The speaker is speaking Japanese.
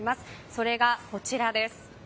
それがこちらです。